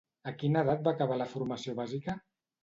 A quina edat va acabar la formació bàsica?